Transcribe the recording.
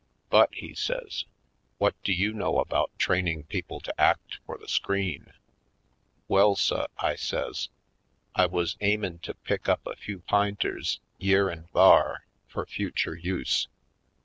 But," he says, "what do you know about training people to act for the screen?" "Well, suh," I says, "I wuz aimin' to pick up a few p'inters yere an' thar fur future use.